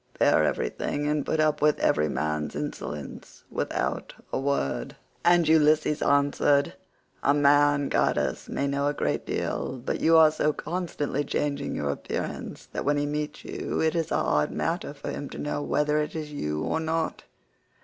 Bear everything, and put up with every man's insolence, without a word." And Ulysses answered, "A man, goddess, may know a great deal, but you are so constantly changing your appearance that when he meets you it is a hard matter for him to know whether it is you or not.